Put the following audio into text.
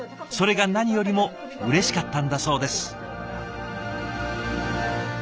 それが何よりもうれしかったんだそうです。